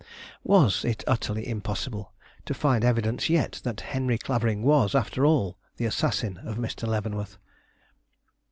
Was it utterly impossible to find evidence yet that Henry Clavering was, after all, the assassin of Mr. Leavenworth?